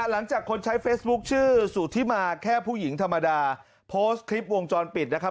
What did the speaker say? หลังจากคนใช้เฟซบุ๊คชื่อสุธิมาแค่ผู้หญิงธรรมดาโพสต์คลิปวงจรปิดนะครับ